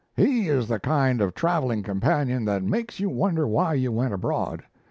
He is the kind of travelling companion that makes you wonder why you went abroad.